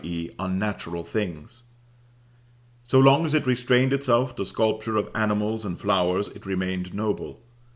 e. unnatural things. So long as it restrained itself to sculpture of animals and flowers, it remained noble.